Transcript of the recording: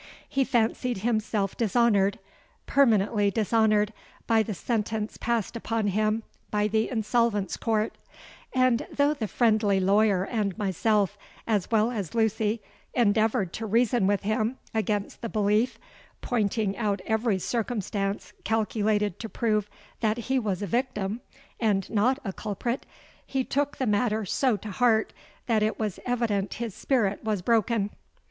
He fancied himself dishonoured—permanently dishonoured by the sentence passed upon him by the Insolvents' Court; and though the friendly lawyer and myself, as well as Lucy, endeavoured to reason with him against the belief,—pointing out every circumstance calculated to prove that he was a victim, and not a culprit,—he took the matter so to heart that it was evident his spirit was broken!